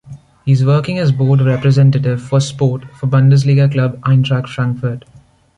He is working as board representative for sport for Bundesliga club Eintracht Frankfurt.